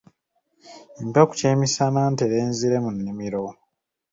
Mpa ku kyemisana ntere nzire mu nnimiro.